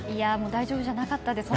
大丈夫じゃなかったです。